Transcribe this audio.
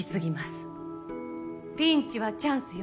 ピンチはチャンスよ。